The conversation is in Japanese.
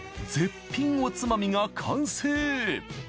絶品おつまみが完成。